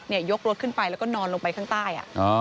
เนี่ยยกรถขึ้นไปแล้วก็นอนลงไปข้างใต้อ่ะอ๋อ